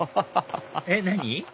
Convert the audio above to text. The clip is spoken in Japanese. えっ何？